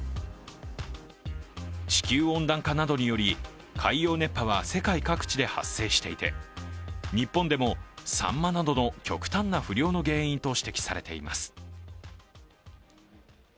地球温暖化などにより、海洋熱波は世界各地で発生していて日本でもさんまなどの極端な不漁の原因と指摘されています。